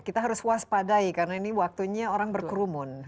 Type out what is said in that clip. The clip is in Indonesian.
kita harus waspadai karena ini waktunya orang berkerumun